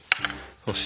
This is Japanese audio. そして。